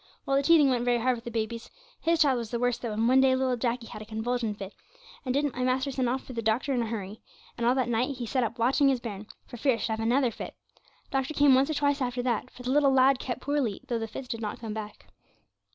Well, the teething went very hard with the babies; his child was the worst, though, and one day little Jacky had a convulsion fit, and didn't my master send off for the doctor in a hurry; and all that night he sat up watching his bairn, for fear it should have another fit. Doctor came once or twice after that, for the little lad kept poorly, though the fits did not come back.